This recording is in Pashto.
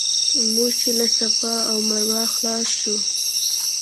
موږ چې له صفا او مروه خلاص شو.